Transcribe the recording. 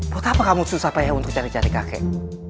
buat apa kamu susah payah untuk cari cari kakek